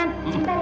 sebentar ya sayang